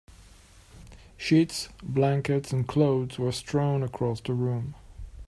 Sheets, blankets, and clothes were strewn across the room.